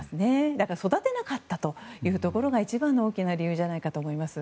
だから育てなかったというところが一番の大きな理由じゃないかと思います。